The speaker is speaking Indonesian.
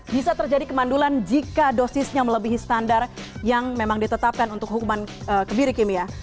bisa terjadi kemandulan jika dosisnya melebihi standar yang memang ditetapkan untuk hukuman kebiri kimia